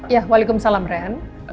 ya waalaikumsalam ren